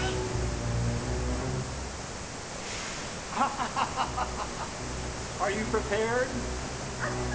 ハハハハハハハ。